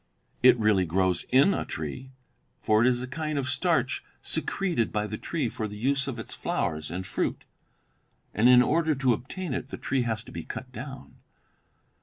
"It really grows in a tree for it is a kind of starch secreted by the tree for the use of its flowers and fruit and in order to obtain it the tree has to be cut down.